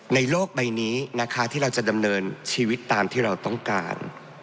โลกใบนี้นะคะที่เราจะดำเนินชีวิตตามที่เราต้องการ